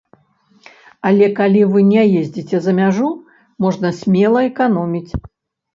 Але калі вы не ездзіце за мяжу, можна смела эканоміць.